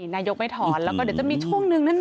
นายกไม่ถอนแล้วก็เดี๋ยวจะมีช่วงหนึ่งนั้น